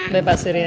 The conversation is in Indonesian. baik pak surya